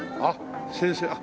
あっ先生。